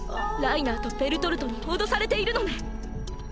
ライナーとベルトルトに脅されているのね？